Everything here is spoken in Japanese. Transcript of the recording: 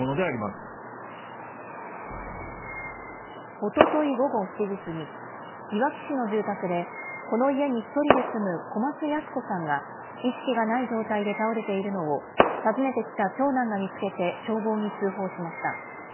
おととい午後７時過ぎ、いわき市の住宅で、この家に１人で住む小松ヤス子さんが、意識がない状態で倒れているのを、訪ねてきた長男が見つけて消防に通報しました。